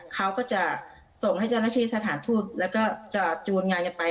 เขาก็จะส่งให้เจ้าหน้าที่สถานทูตแล้วก็จะจูนงานกันไป